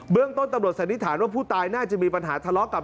เรื่องต้นตำรวจสันนิษฐานว่าผู้ตายน่าจะมีปัญหาทะเลาะกับ